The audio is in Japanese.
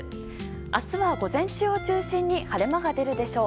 明日は午前中を中心に晴れ間が出るでしょう。